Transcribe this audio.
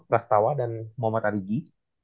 rastawa dan mohd arigi